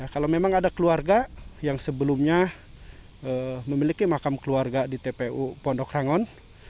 kalau memang ada keluarga yang sebelumnya memiliki makam keluarga di tpu pondok rangon